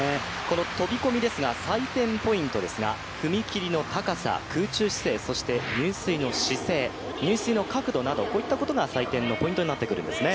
飛び込みですが採点ポイントは踏切の高さ、空中姿勢、そして入水の姿勢入水の角度などが採点のポイントになってくるんですね。